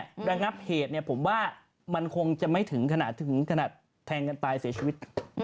ระงับเหตุเนี่ยผมว่ามันคงจะไม่ถึงขนาดถึงขนาดแทงกันตายเสียชีวิต